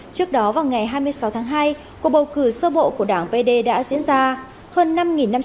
trước đó vào ngày hai mươi sáu tháng hai cuộc bầu cử sơ bộ của đảng pd đã diễn ra